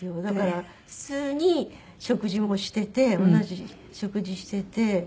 だから普通に食事もしてて同じ食事してて。